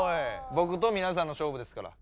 ぼくとみなさんの勝負ですから。